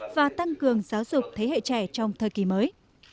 và tăng cường giáo dục thế hệ trẻ trong thời kỳ mới